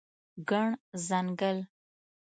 ګڼ ځنګل